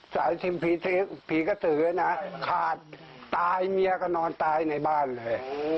สายชิมผีกระสือนะคาดตายเมียก็นอนตายในบ้านเลย